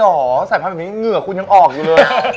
อ๋อเข้าใส่พันธุ์แบบนี้เหงื่อคุณยังออกอยู่เลย